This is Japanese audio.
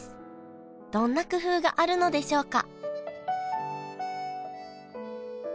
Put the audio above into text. どんな工夫があるのでしょうか？